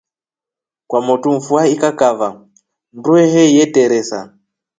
Kwamotu mfua ikakava ndwehe yeteresa.